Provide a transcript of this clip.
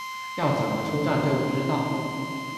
要怎么出站就不知道